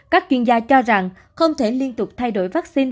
các chuyên gia cho rằng không thể liên tục thay đổi vaccine